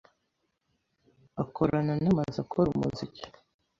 akorana n’amazu akora umuziki